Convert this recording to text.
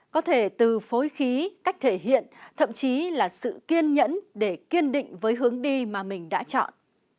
có thể từ phối khí cách thể hiện thậm chí là sự kiên nhẫn để kiên định với hướng đi mà mình đã chọn